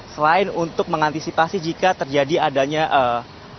selain untuk mengantisipasi jika terjadi adanya eee